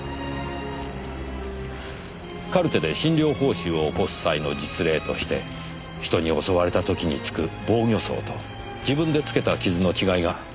カルテで診療報酬を起こす際の実例として人に襲われた時につく防御創と自分でつけた傷の違いが載っています。